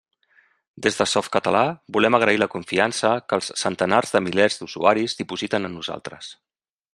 Des de Softcatalà, volem agrair la confiança que els centenars de milers d'usuaris dipositen en nosaltres.